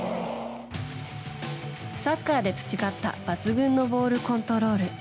サッカーで培った抜群のボールコントロール。